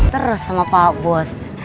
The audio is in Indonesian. terus sama pak bos